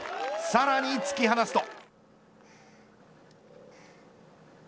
さらに突き放すと。